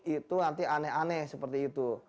itu nanti aneh aneh seperti itu